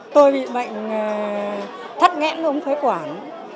tôi bị bệnh thất ngẽn không phế quản